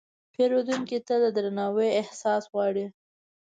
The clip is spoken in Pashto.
پیرودونکی تل د درناوي احساس غواړي.